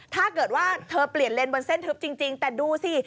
ถ้าเกิดว่าเธอเปลี่ยนเลนบนเส้นทึบจริงแต่ดูสิ